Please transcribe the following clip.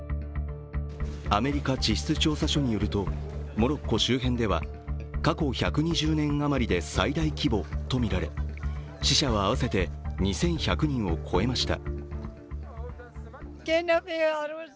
アメリカ地質調査所によるとモロッコ周辺では過去１２０年余りで最大規模とみられ死者は合わせて２１００人を超えました。